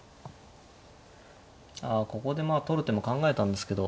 あここでまあ取る手も考えたんですけど。